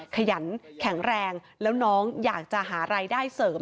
ขยันแข็งแรงแล้วน้องอยากจะหารายได้เสริม